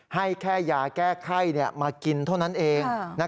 ให้แค่ยาแก้ไข้มากินเท่านั้นเอง